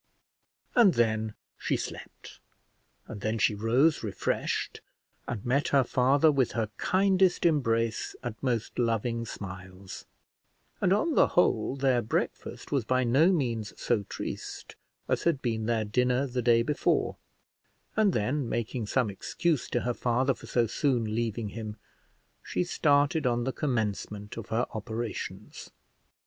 And then she slept; and then she rose refreshed; and met her father with her kindest embrace and most loving smiles; and on the whole their breakfast was by no means so triste as had been their dinner the day before; and then, making some excuse to her father for so soon leaving him, she started on the commencement of her operations.